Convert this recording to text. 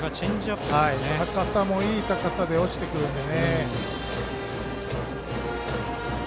高さもいい高さで落ちてくるので。